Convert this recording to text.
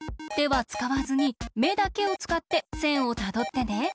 てはつかわずにめだけをつかってせんをたどってね。